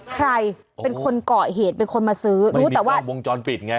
ใครเป็นคนเกาะเหตุเป็นคนมาซื้อรู้แต่ว่าวงจรปิดไง